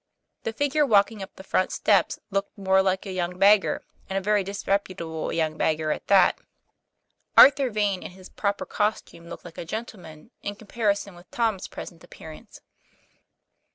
The figure walking up the front steps looked more like a young beggar, and a very disreputable young beggar at that, Arthur TOM PLAYFAIR. 155 Vane in his proper costume looked like a gentleman in comparison with Tom's present appearance.